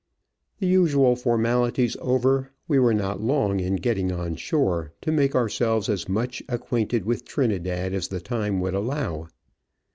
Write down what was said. The usual for malities over, we were not long in getting on shore, to make our selves as much ac with Trinidad as the time would allow.